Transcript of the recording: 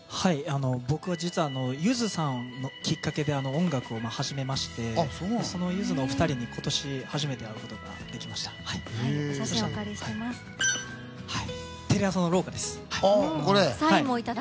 僕、実はゆずさんがきっかけで音楽を始めましてそのゆずのお二人に今年、初めて会うことができました。